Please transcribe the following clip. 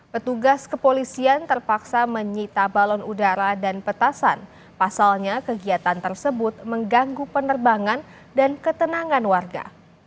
petugas kepolisian terpaksa menyita balon udara dan petasan pasalnya kegiatan tersebut mengganggu penerbangan dan ketenangan warga